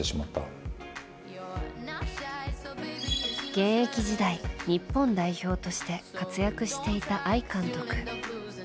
現役時代、日本代表として活躍していた相監督。